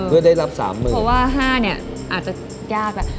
เพราะว่า๕เนี่ยอาจจะยาก